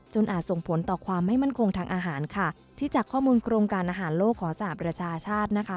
อาจส่งผลต่อความไม่มั่นคงทางอาหารค่ะที่จากข้อมูลโครงการอาหารโลกของสหประชาชาตินะคะ